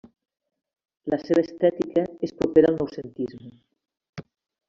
La seva estètica és propera al noucentisme.